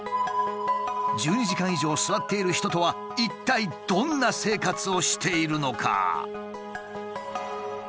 １２時間以上座っている人とは一体どんな生活をしているのか？